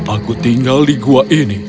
aku tinggal di gua ini